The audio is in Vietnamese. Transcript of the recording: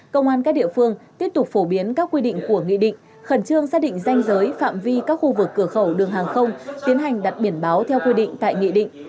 công an các địa phương tiếp tục phổ biến các quy định của nghị định khẩn trương xác định danh giới phạm vi các khu vực cửa khẩu đường hàng không tiến hành đặt biển báo theo quy định tại nghị định